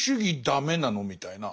ダメなの？みたいな。